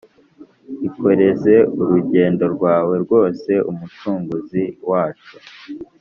Ikoreze urugendo rwawe rwose umucunguzi wacu